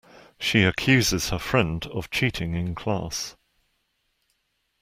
She accuses her friend of cheating in class.